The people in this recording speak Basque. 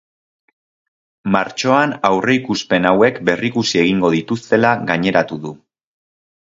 Martxoan aurreikuspen hauek berrikusi egingo dituztela gaineratu du.